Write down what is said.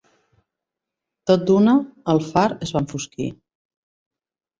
Tot d'una, el far es va enfosquir.